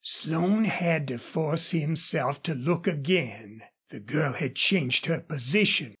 Slone had to force himself to look again. The girl had changed her position.